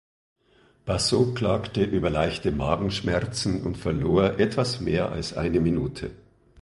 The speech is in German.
Basso klagte über leichte Magenschmerzen und verlor etwas mehr als eine Minute.